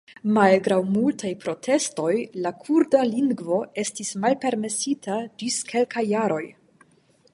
Malgraŭ multaj protestoj la kurda lingvo estis malpermesita ĝis kelkaj jaroj.